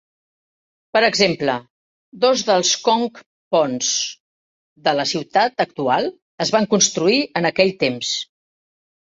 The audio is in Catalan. Per exemple, dos dels conc ponts de la ciutat actual els van construir en aquell temps.